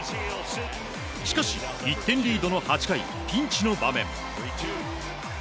しかし、１点リードの８回ピンチの場面。